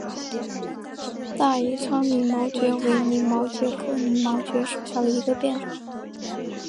大宜昌鳞毛蕨为鳞毛蕨科鳞毛蕨属下的一个变种。